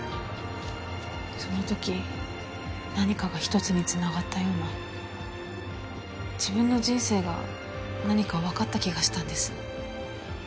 その時何かが一つに繋がったような自分の人生が何かわかった気がしたんです。